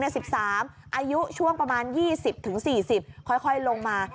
อายุช่วงประมาณ๒๐๔๐ค่อยลงมา